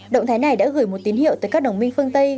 động thái này đã gửi một tín hiệu tới các đồng minh phương tây